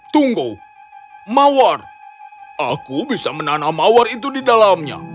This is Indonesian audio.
tunggu mawar aku bisa menanam mawar itu di dalamnya